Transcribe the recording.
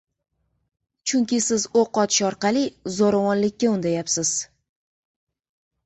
Chunki siz o'q otish orqali zo'ravonlikka undayapsiz!